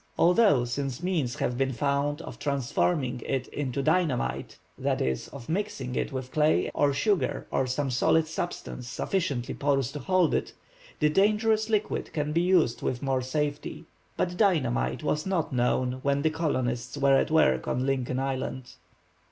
Although, since means have been found of transforming it into dynamite, that is, of mixing it with clay or sugar or some solid substance sufficiently porous to hold it, the dangerous liquid can be used with more safety. But dynamite was not known when the colonists were at work on Lincoln Island.